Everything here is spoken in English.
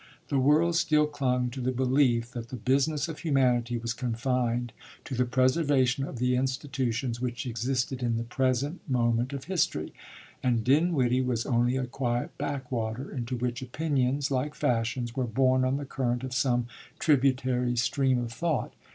The world still clung to the belief that the business of humanity was confined to the preservation of the institutions which existed in the present moment of history and Dinwiddie was only a quiet backwater into which opinions, like fashions, were borne on the current of some tributary stream of thought.